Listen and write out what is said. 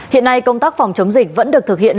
hiện nay công tác phòng chống dịch vẫn được thực hiện